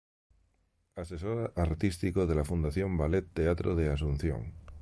Asesor artístico de la Fundación Ballet Teatro de Asunción.